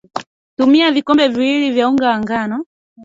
Tumia vikombe mbili nga wa ngano